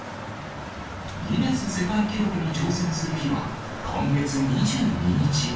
ギネス世界記録に挑戦する日は、今月２２日。